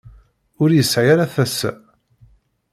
Ur yesɛi ara tasa.